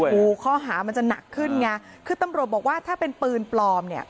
ข้อหามันจะหนักขึ้นไงคือตำรวจบอกว่าถ้าเป็นปืนปลอมเนี่ย